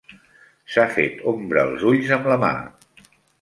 S'ha fet ombra als ulls am la mà.